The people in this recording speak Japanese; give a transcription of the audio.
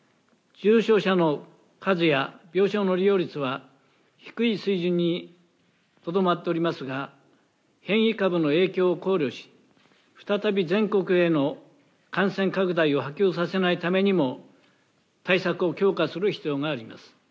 重症者の数や病床の利用率は、低い水準にとどまっておりますが、変異株の影響を考慮し、再び全国への感染拡大を波及させないためにも、対策を強化する必要があります。